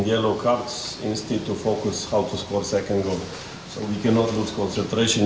untuk melawan persis dan pada malam hari ini saya sangat senang sekali bisa mencetak dua gol